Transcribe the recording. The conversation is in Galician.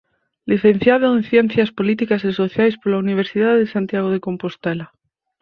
Licenciado en Ciencias Políticas e Sociais pola Universidade de Santiago de Compostela.